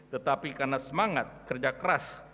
tetapi karena semangat kerja keras